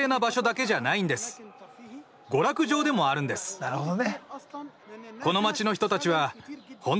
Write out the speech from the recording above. なるほどね。